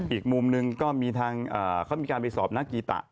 อีกมุมหนึ่งก็มีทางเขามีการไปสอบนักกีตะ